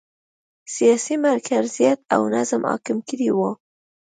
سیاسي مرکزیت او نظم حاکم کړی و.